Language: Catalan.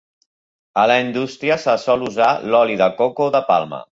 A la indústria se sol usar l'oli de coco o de palma.